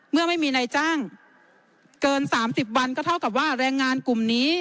เมื่อไม่มีนายจ้างเกิน๓๐วันก็เท่ากับว่าแรงงานกลุ่มนี้